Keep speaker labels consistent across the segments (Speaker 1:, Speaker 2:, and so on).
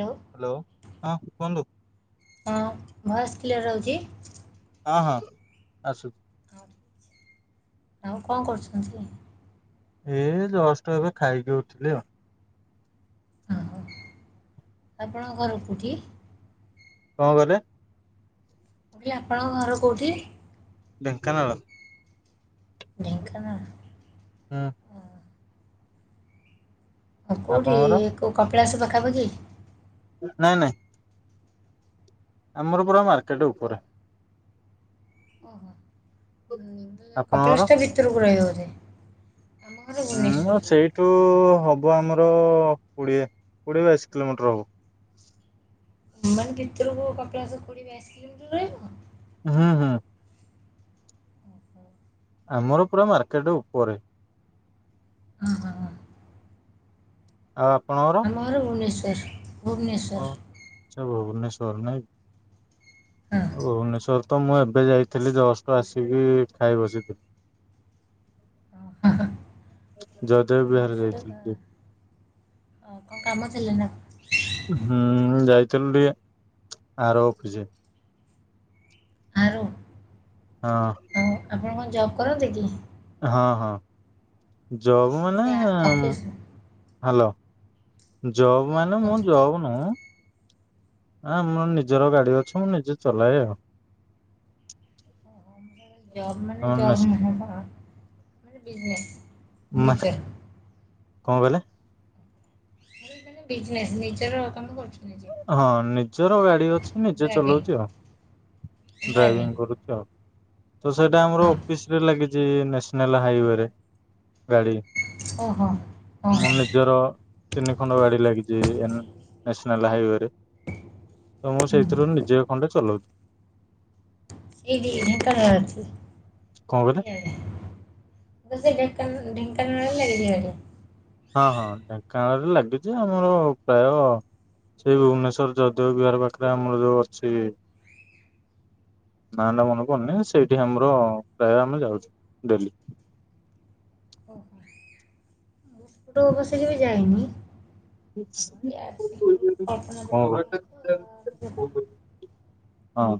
Speaker 1: ଲୋ
Speaker 2: hello ହଁ କୁହନ୍ତୁ।
Speaker 1: ହଁ ଭଏସ୍ କ୍ଳିଅର ରହୁଛି।
Speaker 2: ହଁ ହଁ ଆସୁଛି।
Speaker 1: ଆଉ କଣ କରୁଚନ୍ତି?
Speaker 2: ଏ ଜଷ୍ଟ ଏବେ ଖାଇକି ଉଠିଲି ଆଉ।
Speaker 1: ହଁ ହଁ ଆପଣ ଘର କେଉଁଠି?
Speaker 2: କଣ କହିଲେ?
Speaker 1: ଲି ଆପଣଙ୍କ ଘର କୋଉଠି?
Speaker 2: ଢେଙ୍କାନାଳ।
Speaker 1: ଢେଙ୍କାନାଳ।
Speaker 2: ହଁ।
Speaker 1: ହଉ କେଉଁଠି
Speaker 2: ଆପଣଙ୍କର
Speaker 1: ଏ କୋଉ କପିଳାସ ପାଖାପାଖି?
Speaker 2: ନାଇଁ ନାଇଁ। ଆମର ପୁରା ମାର୍କେଟ ଉପରେ।
Speaker 1: ଓହୋ। କପଳାସ୍
Speaker 2: ଆପଣଙ୍କର
Speaker 1: ଟା ଭିତରକୁ ରହିବ ବୋଧେ ଆମ ଘର ଭୁବନେଶ୍ୱର।
Speaker 2: ଏଠୁ ହବ ଆମର କୋଡ଼ିଏ କୋଡ଼ିଏ ବାଇଶି କିଲୋମିଟର ହବ।
Speaker 1: ମାନେ ଭିତରକୁ କପିଳାସ କୋଡିଏ ବାଇଶି କିଲୋମିଟର ରହିବ।
Speaker 2: ହଁ ହଁ। ଆମର ପୁରା ମାର୍କେଟ ଉପରେ।
Speaker 1: ହଁ ହଁ ହଁ।
Speaker 2: ଆଉ ଆପଣଙ୍କର।
Speaker 1: ଆମ ଘର ଭୁବନେଶ୍ୱର।
Speaker 2: ଓ ଆଛା ଭୁବନେଶ୍ଵର ନାଇଁ। ଭୁବନେଶ୍ଵର ତ ମୁଁ ଏବେ ଯାଇଥିଲି। ଜଷ୍ଟ ଆସିକି ଖାଇ ବସିଥିଲି।
Speaker 1: ଆ ହଁ।
Speaker 2: ଜୟଦେବ ବିହାର।
Speaker 1: [inaudible]
Speaker 2: ଯାଇଥିଲି ଟିକେ
Speaker 1: କଣ କାମ ଥିଲାନା?
Speaker 2: ହୁଁ ଯାଇଥିଲୁ ଟିକେ ଆର ଅଫିସ।
Speaker 1: ଆ ରୋ
Speaker 2: ହଁ।
Speaker 1: ଆପଣ କଣ ଜବ୍ କରନ୍ତି କି?
Speaker 2: ହଁ ହଁ ଜବ ମାନେ ହାଲୋ ଜବ ମାନେ ମୁଁ ଜବ ନୁହଁ ଆଁ ଆମର ନିଜର ଗାଡି ଅଛି। ମୁଁ ନିଜେ ଚଲାଏ ଆଉ।
Speaker 1: ଜବ୍
Speaker 2: ଆମ
Speaker 1: ମାନେ ଜବ୍
Speaker 2: ନେସ୍
Speaker 1: ନୁହଁ ବା ମାନେ ବିଜନେସ୍।
Speaker 2: ମାନେ କଣ କହିଲେ?
Speaker 1: ମାନେ ବିଜନେସ ନିଜର କାମ କରୁଛନ୍ତି ନିଜେ
Speaker 2: ହଁ ନିଜର ଗାଡି ଅଛି ନିଜେ ଚଲାଉଛି ଆଉ ଡ୍ରାଇଭିଂ କରୁଛି ଆଉ। ତ ସେଇଟା ଆମର ଅଫିସ ରେ ଲାଗିଛି ନେସନାଲ ହାଇୱେରେ ଗାଡି। ମୋ ନିଜର ତିନି ଖଣ୍ଡ ଗାଡି ଲାଗିଛି ଏନ୍ ନେସନାଲ ହାଇୱେ ରେ ତ ମୁଁ ସେଇଥିରୁ ନିଜେ ଖଣ୍ଡେ ଚଲାଉଛି।
Speaker 1: ଏଇଠି ଢେଙ୍କାନାଳ ରେ
Speaker 2: କଣ କହିଲେ?
Speaker 1: [inaudible] ତୁସେ ଢେଙ୍କା ଢେଙ୍କାନାଳରେ ଲାଗିଚି ବୋଧେ।
Speaker 2: ହଁ ହଁ ଢେଙ୍କାନାଳରୁ ଲାଗିଚି ଆମର ପ୍ରାୟ ସେଇ ଭୁବନେଶ୍ଵର ଜୟଦେବବିହାର ପାଖରେ ଆମର ଯୋଉ ଅଛି ନାଆଟା ମନେ ପଡ଼ୁନି ସେଇଠି ଆମର ପ୍ରାୟ ଆମେ ଯାଉଛୁ ଡେଲି।
Speaker 1: ଓହୋ। ତୋ ବସିକିରି ଯାଇନି। ଆମର ଏଇ ଆସିବୁ କଳ୍ପନା
Speaker 2: କଣ ହେଲା କୁହନ୍ତୁ
Speaker 1: ଛକ [unintelligible]
Speaker 2: ହଁ।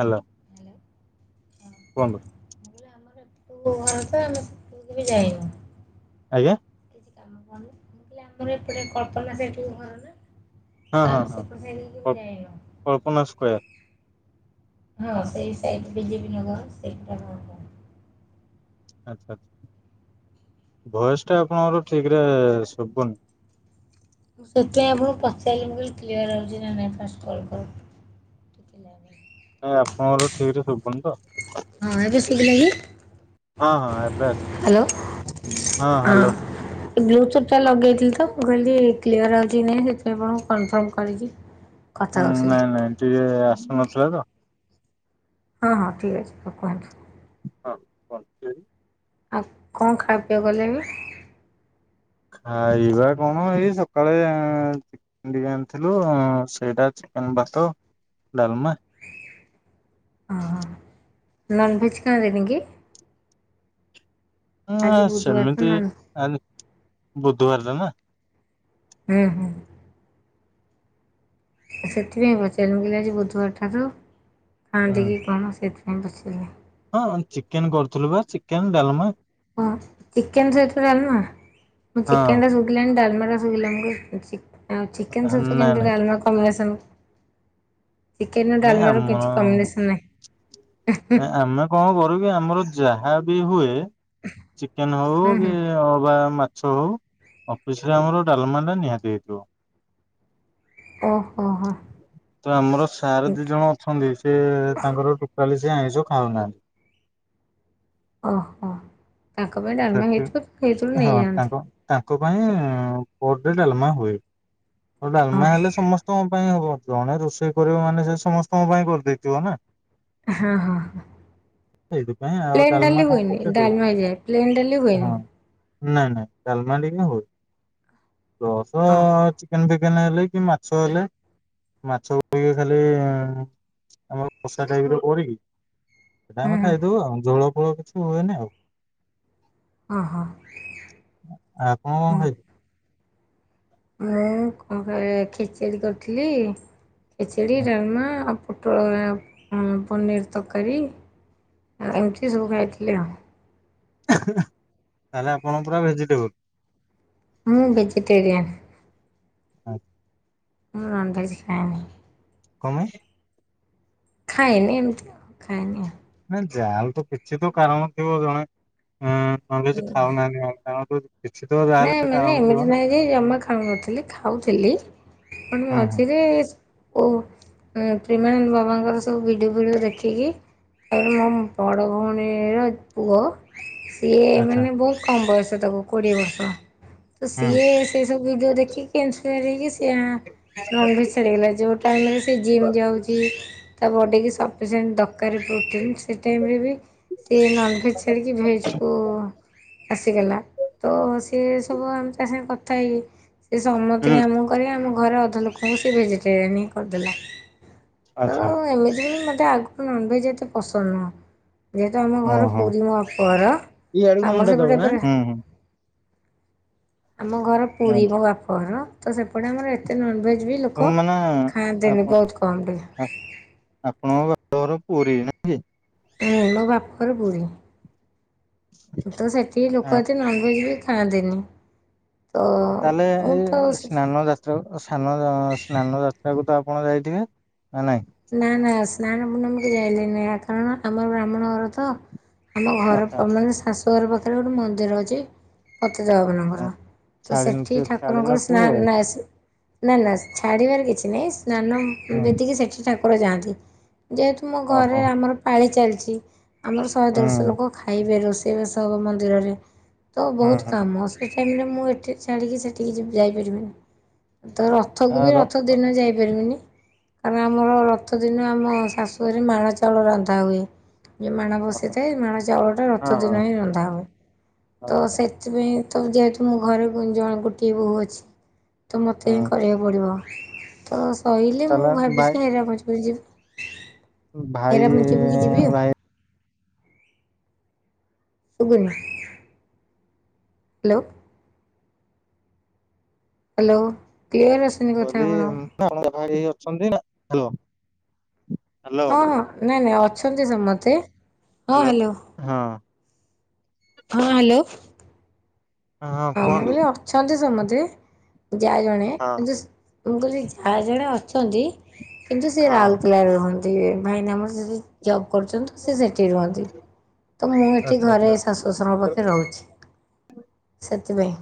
Speaker 2: ହାଲୋ।
Speaker 1: [inaudible]
Speaker 2: କୁହନ୍ତୁ?
Speaker 1: ମୁଁ କହିଲି ଆମର ଏପଟକୁ ଘରତ ଆମେ ସେପଟକୁ କେବେ ଯାଇନୁ।
Speaker 2: ଆଜ୍ଞା।
Speaker 1: କିଛି କାମ କରୁନି ମୁକହିଲି ଆମର ଏପଟେ କଳ୍ପନା ସେଇଠୁ ଘରନା
Speaker 2: ହଁ ହଁ ହଁ କଳ୍ପନା ସ୍କୟାର।
Speaker 1: ହଁ ସେଇ ସାଇଟି ବିଜେପି ନଗର ସେଇଟା ଘର।
Speaker 2: ଆଚ୍ଛା ଆଚ୍ଛା ଭଏସଟା ଆପଣଙ୍କର ଠିକିରେ ଶୁବୁନି।
Speaker 1: ମୁଁ ସେଥିପାଇଁ ଆପଣଙ୍କୁ ପଚାରିଲି ମୁକହିଲି କ୍ଲିୟର ରଉଚିନା ନାଇଁ ଫାଷ୍ଟ କଲ୍ କ [unintelligible]
Speaker 2: ନାଇଁ ଆପଣଙ୍କର ଠିକରେ ଶୁବୁନିତ।
Speaker 1: ହଁ ଏବେ ଶୁଭିଲାକି?
Speaker 2: ହଁ ହଁ ଏବେ ଆସିଲା
Speaker 1: ହାଲୋ
Speaker 2: ହଁ ହ୍ୟାଲୋ
Speaker 1: ହଁ। ବ୍ଲୁ ଥଟା ଲଗେଇଥିଲିତ ମୁଁ କହିଲି କ୍ଲିୟର ଆଉଚିକି ନାଇଁ ସେଥିପାଇଁ ଆପଣଙ୍କୁ କନଫର୍ମ କରିକି
Speaker 2: ହୁଁ ନାଇଁ ନାଇଁ ଟିକେ ଆସୁନଥିଲାତ
Speaker 1: ହଁ ହଁ ଠିକ୍ ଅଛି ତ କୁହନ୍ତୁ।
Speaker 2: ହଁ ହଁ [unintelligible]
Speaker 1: ଆଉ କଣ ଖାପିଆ କଲେଣି?
Speaker 2: ଆଇବା କଣ ଏଇ ସକାଳେ ଡି ଆଣିଥିଲୁ ସେଇଟା ଚିକେନ୍ ଭାତ ଡ଼ାଲମା
Speaker 1: ଅହଁ ନନଭେଜ୍ ଖାଆନ୍ତିନିକି?
Speaker 2: ହଁ
Speaker 1: ଆଜି ବୁଧବାର ତ
Speaker 2: ସେମିତି
Speaker 1: ନନ୍
Speaker 2: ଆଜି ବୁଧୁବାରଟେନା।
Speaker 1: ହୁଁ ହୁଁ। ଆଁ ସେଥିପାଇଁ ପଚାରିଲି ମୁକଇଁଲି ଆଜି ବୁଧୁବାରଟାତ
Speaker 2: ହୁଁ
Speaker 1: ଖାଆନ୍ତିକି କଣ ସେଥିପାଇଁ ପଚାରିଲି।
Speaker 2: ହଁ ଚିକେନ୍ କରୁଥିଲୁବା ଚିକେନ୍ ଡ଼ାଲମା।
Speaker 1: ହଁ ଚିକେନ୍ ସହିତ ଡ଼ାଲମା ମୁଁ
Speaker 2: ହଁ
Speaker 1: ଚିକେନଟା ସ [unintelligible] ଡ଼ାଲମାଟା ଶୁଖିଲା ମୁକଇଁନି ଚି ଆଁ ଚିକେନ୍ ସସ୍
Speaker 2: ନାଇଁ
Speaker 1: କେମିତି
Speaker 2: ନାଇଁ
Speaker 1: ଡ଼ାଲମା କମ୍ବାନେସନ୍ ଚିକେନର
Speaker 2: ନାଇଁ
Speaker 1: ଡାଲମାର କିଛି କମ୍ବିନେସନ୍ ନାହିଁ।
Speaker 2: ଆଁ ଆମେ କଣ କରୁକି ଆମର ଯାହାବି ହୁଏ ଚିକେନେ
Speaker 1: ହୁଁ ହୁଁ
Speaker 2: ହଉକି ଅବା ମାଛ ହଉ ଅଫିସରେ ଆମର ଡ଼ାଲମାଟା ନିହାତି ହେଇଥିବ।
Speaker 1: ଓହୋ ହୋ।
Speaker 2: ତ ଆମର ସାର୍ ଦିଜଣ ଅଛନ୍ତି ସେତାଙ୍କର ଟୋଟାଲି ସିଏ ଆଇଁଷ ଖାଉନାହାନ୍ତି।
Speaker 1: ଓହୋ ତାଙ୍କ ପାଇଁ ଡ଼ାଲମା
Speaker 2: ସେଥି
Speaker 1: ହେଇଥିବ ସେଇଥିରୁ
Speaker 2: ହଁ
Speaker 1: ନେଇଯାଆନ୍ତି।
Speaker 2: ତାଙ୍କ ତାଙ୍କ ପାଇଁ-ଇ-ଇ-ଇ ପର ଡେ ଡାଲମା ହୁଏ। ଆଉ ଡାଲମା ହେଲେ
Speaker 1: ହଁ
Speaker 2: ସମସ୍ତଙ୍କ ପାଇଁ ହବ ଜଣେ ରୋଷେଇ କରିବ ମାନେ ସେ ସମସ୍ତଙ୍କ ପାଇଁ କରିଦେଇଥିବ ନା।
Speaker 1: ହଁ ହଁ ହଁ।
Speaker 2: ସେଇଥିପାଇଁ ଆଉ
Speaker 1: ପ୍ଲେନ୍
Speaker 2: ଡାଲମା
Speaker 1: ଡାଲି
Speaker 2: କଣ
Speaker 1: ହୁଏନି।
Speaker 2: ପକେଇଦବୁ
Speaker 1: ଡାଲମା ହେଇ ଯାଏ, ପ୍ଲେନ୍ ଡାଲି
Speaker 2: ହଁ
Speaker 1: ହୁଏନି।
Speaker 2: ନାଇଁ ନାଇଁ ତାଲମା ଟିକେ ହୁଏ।
Speaker 1: ହଁ।
Speaker 2: [unintelligible] ଚିକେନ ହେଲେ କି ମାଛ ହେଲେ ମାଛ ଗୁଡିକ ଖାଲି-ଇ-ଇ-ଇ ଆମର କଷା ଟାଇପ ର ଓଡେଇକି ସେଟା
Speaker 1: ହୁଁ
Speaker 2: ଆମେ
Speaker 1: ହୁଁ
Speaker 2: ଖାଇଦବୁ ଆଉ ଝୋଳ ଫୋଳ କିଛି ହୁଏନି ଆଉ।
Speaker 1: ଓ ହୋ।
Speaker 2: ଆପଣ କଣ ଖାଇଲେ?
Speaker 1: ମୁଁ କଣ କ ଖେଚେଡ଼ି କରିଥିଲି ଖେଚେଡ଼ି,
Speaker 2: ହୁଁ,
Speaker 1: ଡାଲମା ଆଉ ପୋଟଳ ଅ ଉମ୍ ପନିର୍ ତରକାରୀ, ଏମିତି ସବୁ ଖାଇଥିଲି ଆଉ।
Speaker 2: ତାହେଲେ ଆପଣଙ୍କ ପୁରା ଭେଜିଟେବୁଲ୍।
Speaker 1: ମୁଁ ଭେଜଜିଟେରିୟନ୍।
Speaker 2: ଆ
Speaker 1: ମୁଁ ନନ୍ ଭେଜ୍ ଖାଏନି।
Speaker 2: କଣ ପାଇଁ?
Speaker 1: ଖାଏନି ଏମିତି ଖାଏନି ଆଉ।
Speaker 2: ନା ଯାହାହେଲେ ତ କିଛି ତ କାରଣ ଥିବ ଜଣେ ଏଁ-ଏ ନନଭେଜ ଖାଉନାହାନ୍ତି ମାନେ କାରଣ କିଛି ତ
Speaker 1: ନାଇଁ
Speaker 2: ଯାହାହେଲେ
Speaker 1: ମାନେ
Speaker 2: ଥିବ
Speaker 1: ଏମିତି
Speaker 2: ନା
Speaker 1: ନାହିଁ ଯେ ଜମା ଖାଉ ନଥିଲି ଖାଉଥିଲି। [unintelligible]
Speaker 2: ହୁଁ ହୁଁ
Speaker 1: ଅଛି ଯେ ଓ ଅ ପ୍ରେମାନନ୍ଦ ବାବାଙ୍କର ସବୁ ଭିଡ଼ିଓ ଫିଡ଼ିଓ ଦେଖିକି ତାପରେ ମୋ-ମ୍ ବଡ଼ ଭଉଣୀ-ଇ-ଇ-ର ପୁଅ ସିଏ-ଏ
Speaker 2: ଆଚ୍ଛା
Speaker 1: ମାନେ ବହୁତ କମ୍ ବୟସ ତାକୁ କୋଡ଼ିଏ ବର୍ଷ। ତ
Speaker 2: ହୁଁ
Speaker 1: ସିଏ ସେ ସବୁ ଭିଡିଓ ଦେଖିକି ଇନ୍ସପିଅର୍ ହେଇକି ସିଏ-ଏ-ଏ ନନଭେଜ ଛାଡି ଦେଲା ଯୋଉ ଟାଇମ୍ ରେ ସେ ଜିମ୍ ଯାଉଛି ତା ବଡିକି ସ ସଫିସେଣ୍ଟ ଦରକାରେ ପ୍ରୋଟିନ୍ ସେ ଟାଇମ୍ ରେ ବି ସିଏ ନନଭେଜ ଛାଡ଼ିକି ଭେଜ କୁ ଆସିଗଲା ତ-ଅ-ଅ ସେ ସେ ସବୁ ଆମେ ତା ସାଙ୍ଗେ କଥା ହେଇକି ସେ
Speaker 2: ହୁଁ
Speaker 1: ସମସ୍ତିଙ୍କି ଆମକୁ କରିକି ଆମ ଘରେ ଅଧ ଲୋକଙ୍କୁ ସେ ଭେଜିଟେରିଆନ୍ ହିଁ କରିଦେଲା। ତ
Speaker 2: ଆଚ୍ଛା
Speaker 1: ଏମିତି ବି ମୋତେ ଆଗରୁ ନନଭେଜ୍ ଏତେ ପସନ୍ଦ ନୁହଁ। ଯେହେତୁ ଆମ ଘର
Speaker 2: ଓହୋ
Speaker 1: ପୁରୀ ମୋ ବାପଘର
Speaker 2: ଇଆଡକୁ ମୁଣ୍ଡ
Speaker 1: ଆମର
Speaker 2: ଦବ
Speaker 1: ସେପଟେ ପୁରା
Speaker 2: ଆଁ ହୁଁ
Speaker 1: ଆମ ଘର ପୁରୀ
Speaker 2: ହୁଁ
Speaker 1: ମୋ ବାପଘର ତ ସେପଟେ ଆମର ଏତେ ନନଭେଜ୍ ବି
Speaker 2: ହଁ
Speaker 1: ଲୋକ
Speaker 2: ମାନେ
Speaker 1: ଖାଆନ୍ତିନି
Speaker 2: ଆପଣ
Speaker 1: ବହୁତ କମ୍ ବି।
Speaker 2: ଆପଣଙ୍କ ବାପଘର ପୁରୀ ନା?
Speaker 1: ହୁଁ ମୋ ବାପଘର ପୁରୀ। ତ ସେଠି ଲୋକ ଏତେ ନନଭେଜ ବି ଖାଆନ୍ତିନି। ତ
Speaker 2: ଆଉ ତାହେଲେ
Speaker 1: ମୁଁ
Speaker 2: ଏ
Speaker 1: ତ
Speaker 2: ସ୍ନାନ ଯା ତ ସ୍ନାନ-ଅ-ଅ ସ୍ନାନ ଯାତ୍ରାକୁ ତ ଆପଣ ଯାଇଥିବେ ନା ନାଇଁ?
Speaker 1: ନା ନା ସ୍ନାନ ପୂର୍ଣ୍ଣମିକୁ ଯାଇନି ନା କାରଣ ଆମର ବ୍ରାହ୍ମଣ ଘର ତ। ଆମ ଘର
Speaker 2: ଆଚ୍ଛା
Speaker 1: ପ ମାନେ ଶାଶୁ ଘର ପାଖରେ ଗୋଟେ ମନ୍ଦିର ଅଛି ପତିତ ପାବନଙ୍କର ତ
Speaker 2: ଛାଡି
Speaker 1: ସେଠି
Speaker 2: ନଥିବେ ଛାଡି
Speaker 1: ଠାକୁରଙ୍କର
Speaker 2: ନଥିବେ
Speaker 1: ସ୍ନାନ ନାଇ ସେ ନା ନା ଛାଡିବାର କିଛି ନାହିଁ ସ୍ନାନ
Speaker 2: ହୁଁ
Speaker 1: ବେଦୀକି ସେଠି ଠାକୁର ଯାଆନ୍ତି ଯେହେତୁ ମୋ ଘରେ
Speaker 2: ଓହୋ
Speaker 1: ଆମର ପାଳି ଚାଲିଛି ଆମର ଶହେ ଦେଢଶହ
Speaker 2: ହୁଁ।
Speaker 1: ଲୋକ ଖାଇବେ ରୋଷେଇ ରୋଷେଇବାସ ମନ୍ଦିରରେ ତ
Speaker 2: ହଁ
Speaker 1: ବହୁତ
Speaker 2: ହଁ
Speaker 1: କାମ ସେ ଟାଇମ ରେ ମୁଁ ଏଠି ଛାଡ଼ିକି ସେଠିକି ଯାଇପାରିବିନି ତ ରଥକୁ ବି
Speaker 2: ଆର
Speaker 1: ରଥ ଦିନ ଯାଇପାରିବିନି। କାରଣ ଆମର ରଥ ଦିନ ଆମ ଶାଶୁଘରେ ମାଳା ଚାଉଳ ରନ୍ଧା ହୁଏ। ଯିଏ ମାଣ
Speaker 2: ଓହୋ
Speaker 1: ବସେଇଥାଏ ମାଣ ଚାଉଳ ଟା ରଥ
Speaker 2: ହଁ ହଁ
Speaker 1: ଦିନ ହିଁ ରନ୍ଧା ହବ ତ
Speaker 2: ଆଚ୍ଛା
Speaker 1: ସେଥିପାଇଁ ତ ଯେହେତୁ ମୁଁ ଘରେ ଜଣେ ଗୋଟିଏ ବୋହୂ ଅଛି ତ ମୋତେ ହିଁ
Speaker 2: ହୁଁ
Speaker 1: କରିବାକୁ ପଡ଼ିବ। ତ ଶଇଲେ ମୁଁ
Speaker 2: ତାହେଲେ ଭାଇ
Speaker 1: ଭାବିଚି ହେରାପଞ୍ଚମୀ କି ଯିବି।
Speaker 2: ଭାଇ
Speaker 1: ହେରାପଞ୍ଚମୀ କି ଯିବି ଆଉ।
Speaker 2: ଭାଇ
Speaker 1: [inaudible] ହାଲୋ। ହାଲୋ କ୍ଲିୟର ଆସୁନି କଥା
Speaker 2: କହିଲି
Speaker 1: ଆପଣଙ୍କ
Speaker 2: ଆପଣଙ୍କ ଭାଇ ଅଛନ୍ତି ନା ହାଲୋ।
Speaker 1: ହଁ ହଁ ନାଇଁ ନାଇଁ ଅଛନ୍ତି ସମସ୍ତେ, ହଁ
Speaker 2: ହ୍ୟାଲୋ
Speaker 1: ହାଲୋ।
Speaker 2: ହଁ।
Speaker 1: ହଁ ହାଲୋ। ହଁ ମୁଁ କହିଲି ଅଛନ୍ତି ସମସ୍ତେ ଯା ଜଣେ
Speaker 2: ହଁ
Speaker 1: କିନ୍ତୁ ମୁଁ କହିଲି ଯା ଜଣେ ଅଛନ୍ତି କିନ୍ତୁ ସେ
Speaker 2: ହଁ
Speaker 1: ରାଉଲକେଲାରେ ରୁହନ୍ତି ଭାଇନା ଆମର ଜବ୍ କରୁଚନ୍ତି ତ ସେ ସେଠି ରୁହନ୍ତି ତ ମୁଁ ଏଠି
Speaker 2: ଆଚ୍ଛା ଆଚ୍ଛା।
Speaker 1: ଘରେ ଶାଶୁ ଶ୍ୱଶୁରଙ୍କ ପାଖରେ ରହୁଚି। ସେଥିପାଇଁ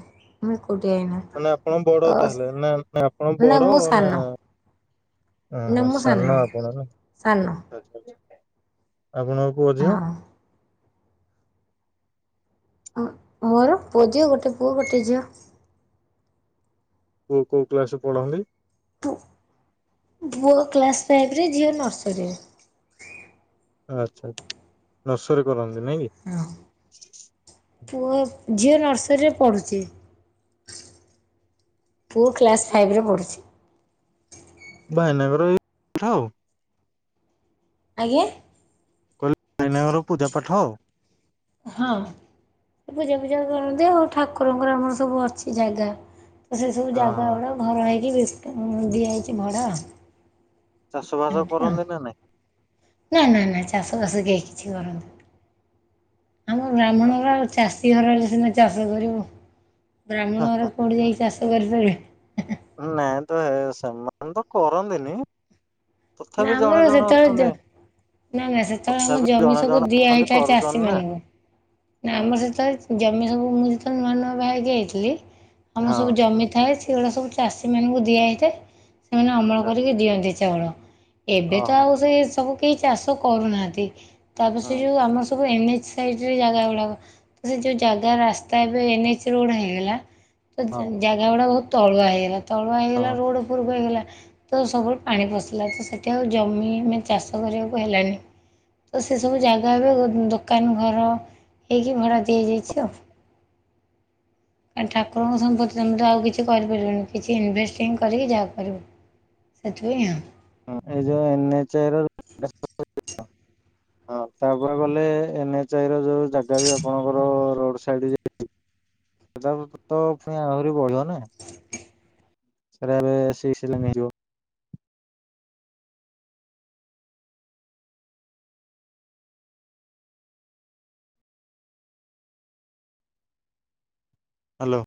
Speaker 1: ମୁଁ ଏକୁଟିଆ ଏଇନା।
Speaker 2: ମାନେ ଆପଣ
Speaker 1: ତ
Speaker 2: ବଡ ତାହେଲେ ନା ନା ଆପଣ
Speaker 1: ନା
Speaker 2: ବଡ
Speaker 1: ମୁଁ ସାନ
Speaker 2: ନା ଅଁ
Speaker 1: ନା
Speaker 2: ହଁ
Speaker 1: ମୁଁ
Speaker 2: ସାନ ଆପଣ ନା?
Speaker 1: ସାନ
Speaker 2: ଆଛା ଆଛା ଆପଣଙ୍କ ପୁଅ ଝିଅ?
Speaker 1: ହଁ। ଅ ମୋର ପୁଅ ଝିଅ ଗୋଟେ ପୁଅ ଗୋଟେ ଝିଅ।
Speaker 2: କୋଉ କୋଉ କ୍ଲାସ ରେ ପଢ଼ନ୍ତି?
Speaker 1: ପୁ ପୁଅ କ୍ଲାସ୍ ଫାଇଭ୍ ରେ ଝିଅ ନର୍ସରୀରେ।
Speaker 2: ଆଚ୍ଛା ନର୍ସରି କରନ୍ତି ନାଇଁ କି?
Speaker 1: ହଁ ପୁଅ ଝିଅ ନର୍ସରୀରେ ପଢୁଚି। ପୁଅ କ୍ଲାସ୍ ଫାଇଭ୍ ରେ ପଢୁଚି।
Speaker 2: ଭାଇନାଙ୍କର ଏଇ ପାଠ ଆଉ।
Speaker 1: ଆଜ୍ଞା?
Speaker 2: କହିଲି ଭାଇନାଙ୍କର ପୂଜା ପାଠ ଆଉ?
Speaker 1: ହଁ ସେ ପୂଜା ଫୁଜା କରନ୍ତି ଆଉ। ଠାକୁରଙ୍କର ଆମର ସବୁ ଅଛି ଜାଗା ତ ସେ ସବୁ
Speaker 2: ହଁ
Speaker 1: ଜାଗା
Speaker 2: ହଁ
Speaker 1: ଗୁଡ଼ା ଘର ହେଇକି ଦିଆ ହେଇଚି ଭଡ଼ା ଆଉ।
Speaker 2: ଚାଷ ବାସ
Speaker 1: ଏମିତି
Speaker 2: କରନ୍ତି ନା ନାଇଁ?
Speaker 1: ନା ନା ନା ଚାଷବାସ କେହି କିଛି କରନ୍ତି ନି। ଆମ ବ୍ରାହ୍ମଣର ଆଉ ଚାଷୀ ଘର ହେଲେ ସିନା ଚାଷ କରିବୁ ବ୍ରାହ୍ମଣ ଘରେ କୋଉଠି ଯାଇ ଚାଷ କରି ପାରିବୁ।
Speaker 2: ନାଇଁ ତ ହେ ସେମାନେ ତ କରନ୍ତିନି। ତଥାପି
Speaker 1: ନା
Speaker 2: ଜଣେ
Speaker 1: ଆମର
Speaker 2: ଜଣେ
Speaker 1: ଯେତେବେଳେ ଦିଅ
Speaker 2: ଅଛନ୍ତି।
Speaker 1: ନା ନା ସେତେବେଳେ ଆମ
Speaker 2: ତଥାପି
Speaker 1: ଜମି
Speaker 2: ଜଣେ
Speaker 1: ସବୁ
Speaker 2: ଜଣେ
Speaker 1: ଦିଆ
Speaker 2: ଅଛନ୍ତି
Speaker 1: ହେଇଥାଏ ଚାଷୀ
Speaker 2: କରୁଛନ୍ତି ନା
Speaker 1: ମାନଙ୍କୁ ନା
Speaker 2: ହୁଁ
Speaker 1: ଆମର
Speaker 2: ହୁଁ
Speaker 1: ସେତେବେଳେ ଜମି ସବୁ ମୁଁ ଯେତେ ବେଳେ ନୂଆ ନୂଆ ବାହା ହେଇକି ଆଇଥିଲି ଆମର ସବୁ
Speaker 2: ହଁ
Speaker 1: ଜମି ଥାଏ ସେଇଗୁଳା ସବୁ ଚାଷୀମାନଙ୍କୁ ଦିଆ ହେଇଥାଏ। ସେମାନେ ଅମଳ
Speaker 2: ଆଚ୍ଛା
Speaker 1: କରିକି ଦିଅନ୍ତି ଚାଉଳ। ଏବେ ତ
Speaker 2: ଓହୋ।
Speaker 1: ଆଉ ସେ ସବୁ କେହି ଚାଷ କରୁନାହାନ୍ତି। ତାପରେ
Speaker 2: ହଁ
Speaker 1: ସେ ଯୋଉ ଆମ ସ ବୁ ଏନ ଏଚ ସାଇଡ୍ ରେ ଜାଗା ଗୁଡ଼ାକ ତ ସେ ଯେଉଁ ଜାଗା ରାସ୍ତା ଏବେ ଏନ୍ ଏଚ୍ ରୋଡ଼୍ ହେଇଗଲା ତ
Speaker 2: ହଁ
Speaker 1: ଜାଗା ଗୁଡ଼ା ବହୁତ ତଳୁଆ ହେଇଗଲା ତଳୁଆ ହେଇଗଲା
Speaker 2: ହଁ
Speaker 1: ରୋଡ଼ ଉପରକୁ ହେଇଗଲା। ତ ସବୁଳେ ପାଣି ପଶିଲା ତ ସେଠି ଆଉ ଜମି ମାନେ ଚାଷ କରିବାକୁ ହେଲାନି। ତ ସେସବୁ ଜାଗା ଏବେ ଦୋକାନ ଘର ହେଇକି ଭଡ଼ା ଦିଆଯାଇଛି ଆଉ। ଠାକୁରଙ୍କ ସମ୍ପତ୍ତି ତମେ ତ ଆଉ କିଛି କରିପାରିବନି କିଛି ଇନଭେଷ୍ଟିଂ କରିକି ଯାହା କରିବୁ। ସେଥିପାଇଁ ଆଉ।
Speaker 2: ଏ ଯୋଉ ଏନ୍ ଏଚ୍ ରୋଡ଼ [unintelligible] ହଁ ତାପରେ ଗଲେ ଏନ୍ ଏଚ ଆଇ ର ଯୋଉ ଜାଗା ବି ଆପଣଙ୍କର ରୋଡ଼ ସାଇଡ୍ ଯେ [unintelligible] [unintelligible] ପୁଣି ଆହୁରି ବଢ଼ିବ ନା। [unintelligible] ହାଲୋ।